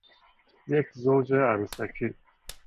یک زوج عروسکی